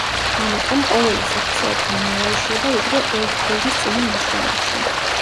ამიტომ, ყოველი სექცია უფრო ნელა იშლება, ვიდრე ოლდფილდის წინა ნაშრომებში.